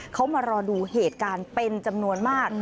เขามารอดูเหตุการณ์เป็นจำนวนมาก